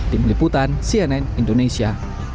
tim liputan cnn indonesia